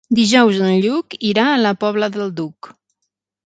Dijous en Lluc irà a la Pobla del Duc.